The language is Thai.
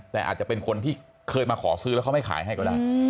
แต่อาจจะเป็นคนที่เคยมาขอซื้อแล้วเขาไม่ขายให้ก็ได้